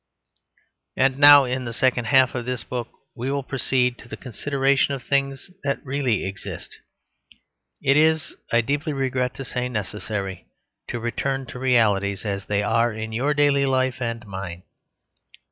And now, in the second half of this book, we will proceed to the consideration of things that really exist. It is, I deeply regret to say, necessary to return to realities, as they are in your daily life and mine.